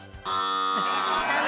残念。